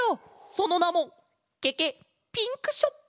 そのなもケケッピンクショップ！